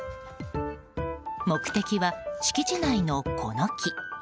目的は敷地内のこの木。